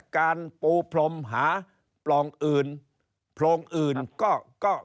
การปูพรมหาโปรงอื่นก็ยังงอก